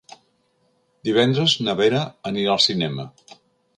Divendres na Vera anirà al cinema.